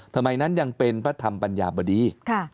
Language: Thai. ทำไมนั้นยังเป็นพระธรรมปัญญาบดี